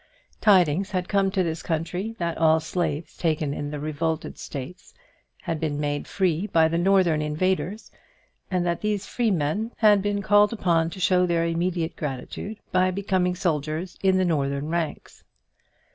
Tidings had come to this country that all slaves taken in the revolted States had been made free by the Northern invaders, and that these free men had been called upon to show their immediate gratitude by becoming soldiers in the Northern ranks.